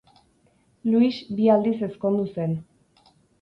Luis bi aldiz ezkondu zen.